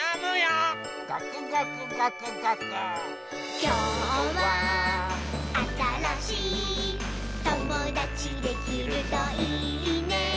「きょうはあたらしいともだちできるといいね」